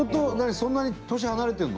そんなに年離れてるの？